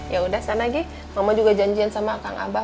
yaudah sekarang lagi mama juga janjian sama kang abah